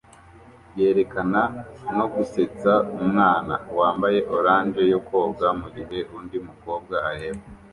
yerekana no gusetsa umwana wambaye orange yo koga mugihe undi mukobwa areba